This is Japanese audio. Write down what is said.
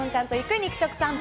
肉食さんぽ。